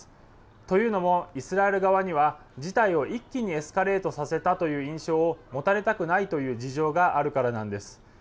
というのも、イスラエル側には、事態を一気にエスカレートさせたという印象を持たれたくないという事情があるからなんです。